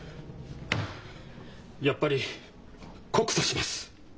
やっぱり告訴します！